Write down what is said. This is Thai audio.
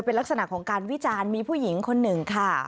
เป็นลักษณะของการวิจารณ์มีผู้หญิงคนหนึ่งค่ะ